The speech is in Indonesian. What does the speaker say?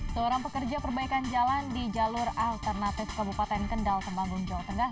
seorang pekerja perbaikan jalan di jalur alternatif kabupaten kendal temanggung jawa tengah